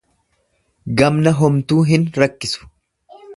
Gamna homtuu hin rakkisu.